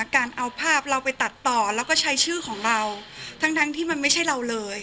การเอาภาพเราไปตัดต่อแล้วก็ใช้ชื่อของเรา